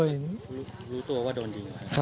รู้ตัวว่าโดนยิงหรือครับ